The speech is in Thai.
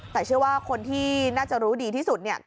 แต่เชื่อว่าคนที่น่าจะรู้ดีที่สุดเนี่ย